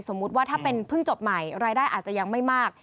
ว่าถ้าเป็นเพิ่งจบใหม่รายได้อาจจะยังไม่มาก